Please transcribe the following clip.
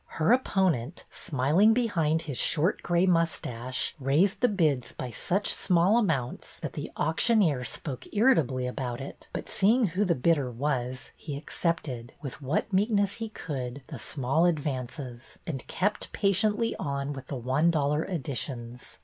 Her opponent, smiling behind his short gray mustache, raised the bids by such small amounts that the auctioneer spoke irritably about it, but seeing who the bidder was, he accepted, with what meekness he could, the small advances, and kept patiently on with the one dollar additions.